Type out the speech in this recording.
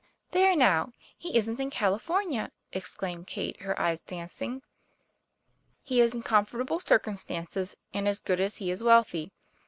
"There, now! He isn't in California," exclaimed Kate, her eyes dancing. ' He is in comfortable circumstances, and as good as he is wealthy.